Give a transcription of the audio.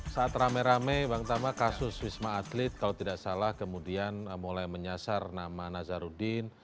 saat rame rame bang tama kasus wisma atlet kalau tidak salah kemudian mulai menyasar nama nazarudin